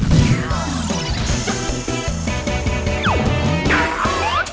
ทั้งเธอเจ็บใจเถอะคะ